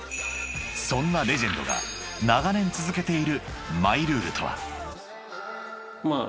［そんなレジェンドが長年続けているマイルールとは］